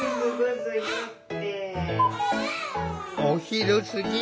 お昼すぎ